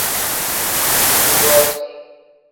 تو گوا تون؟